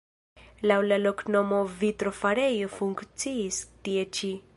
Laŭ la loknomo vitrofarejo funkciis tie ĉi.